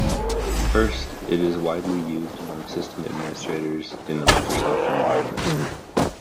First, it is widely used among system administrators in the Microsoft environment.